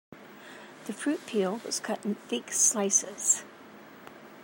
The fruit peel was cut in thick slices.